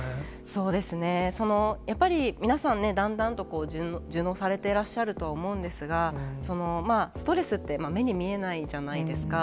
そうですね、やっぱり皆さんね、だんだんと順応されてらっしゃると思うんですが、ストレスって目に見えないじゃないですか。